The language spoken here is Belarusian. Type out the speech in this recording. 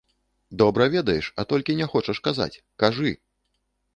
Добра ведаеш, а толькі не хочаш казаць, кажы!